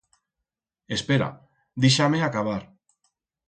Espera, deixa-me acabar.